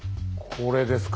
これですか。